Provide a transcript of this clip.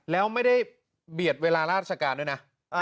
แล้วไม่ได้เบียดเวลาราชการด้วยนะ